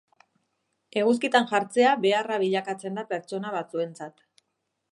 Eguzkitan jartzea beharra bilakatzen da pertsona batzuentzat.